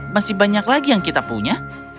masih banyak lagi yang kita punya